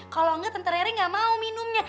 kalau enggak tante reret gak mau minumnya